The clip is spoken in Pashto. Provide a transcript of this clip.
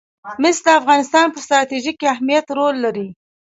مس د افغانستان په ستراتیژیک اهمیت کې رول لري.